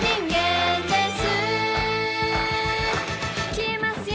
「消えますよ」